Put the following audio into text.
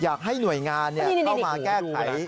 อยากให้หน่วยงานเข้ามาแก้ไข